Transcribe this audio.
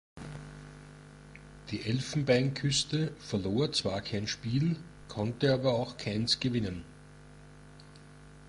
Die Elfenbeinküste verlor zwar kein Spiel, konnte aber auch keins gewinnen.